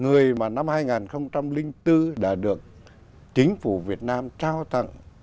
người mà năm hai nghìn bốn đã được chính phủ việt nam trao tặng